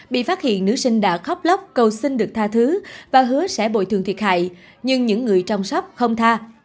bị phát hiện nữ sinh đã khóc lóc cầu xin được tha thứ và hứa sẽ bồi thường thiệt hại nhưng những người chăm sóc không tha